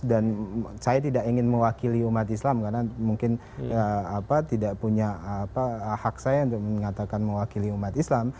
dan saya tidak ingin mewakili umat islam karena mungkin tidak punya hak saya untuk mengatakan mewakili umat islam